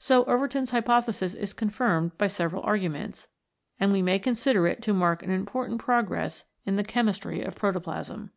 So Overton's hypothesis is confirmed by several arguments, and we may consider it to mark an important progress in the chemistry of protoplasm.